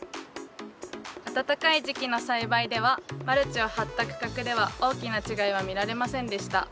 暖かい時期の栽培ではマルチを張った区画では大きな違いは見られませんでした。